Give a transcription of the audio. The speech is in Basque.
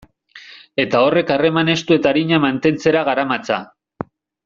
Eta horrek harreman estu eta arina mantentzera garamatza.